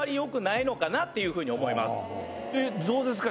どうですか？